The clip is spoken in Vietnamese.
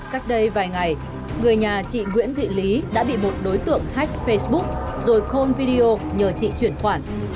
cách đây vài ngày người nhà chị nguyễn thị lý đã bị một đối tượng hách facebook rồi khôn video nhờ chị chuyển khoản